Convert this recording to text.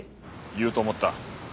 言うと思った。